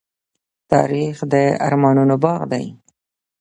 تاریخ د ارمانونو باغ دی.